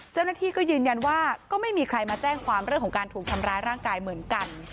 เจ้าหน้าที่ก็ยืนยันว่าก็ไม่มีใครมาแจ้งความเรื่องของการถูกทำร้ายร่างกายเหมือนกัน